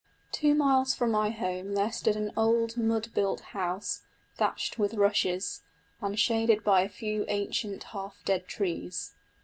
Two miles from my home there stood an old mud built house, thatched with rushes, and shaded by a few ancient half dead trees.